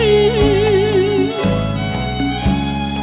ไม่ว่างเว้น